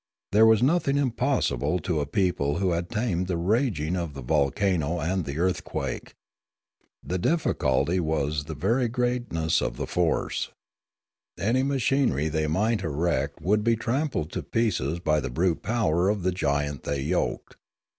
There was nothing impossible to a peo ple who had tamed the raging of the volcano and the earthquake. The difficulty was the very greatness of the force. Any machinery they might erect would be 1 86 Limanora trampled to pieces by the brute power of the giant they yoked.